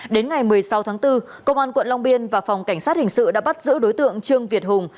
đến ngày một mươi sáu tháng bốn công an quận long biên và phòng cảnh sát hình sự đã bắt giữ đối tượng trương việt hùng